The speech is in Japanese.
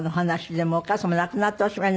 でもお母様亡くなっておしまいに。